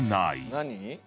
「何？」